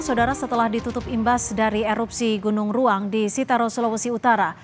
saudara setelah ditutup imbas dari erupsi gunung ruang di sitero sulawesi utara